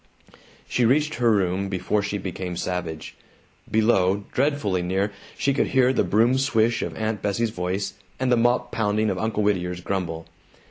She reached her room before she became savage. Below, dreadfully near, she could hear the broom swish of Aunt Bessie's voice, and the mop pounding of Uncle Whittier's grumble.